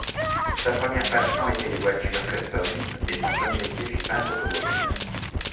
Sa première passion était lesvoitures customs et son premier métier fut peintre automobile.